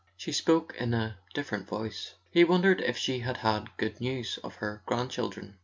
She spoke in a different voice; he wondered if she had had good news of her grandchildren.